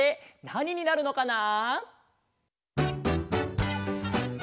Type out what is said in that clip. なにになるのかな？